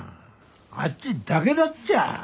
あっちだけだっちゃ。